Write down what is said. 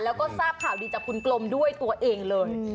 แล้วก็ทราบข่าวดีจากคุณกลมด้วยตัวเองเลย